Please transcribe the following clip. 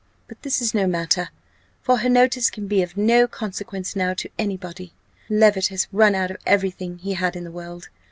But this is no matter, for her notice can be of no consequence now to any body. Levit has run out every thing he had in the world!